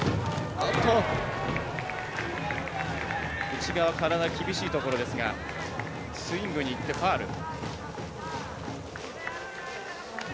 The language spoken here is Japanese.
内側、厳しいところですがスイングにいってファウル。